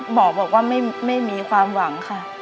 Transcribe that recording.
บอกว่าไม่มีความหวังค่ะ